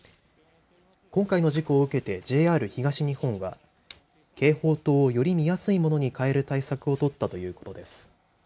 今回の事故を受けてＪＲ東日本は警報灯をより見やすいものに替える対策を取ったということです。